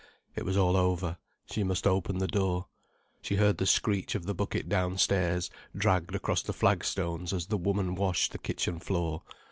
It was all over. She must open the door. She heard the screech of the bucket downstairs dragged across the flagstones as the woman washed the kitchen floor.